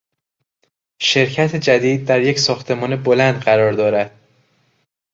شرکت جدید در یک ساختمان بلند قرار دارد.